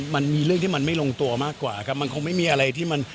มันมีเรื่องที่มันไม่ลงตัวมากกว่าครับมันคงไม่มีอะไรที่มัน